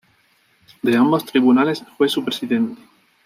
De ambos tribunales fue su presidente.